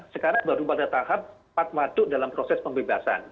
sekarang baru pada tahap empat waduk dalam proses pembebasan